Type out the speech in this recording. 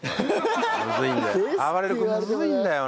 むずいんだよ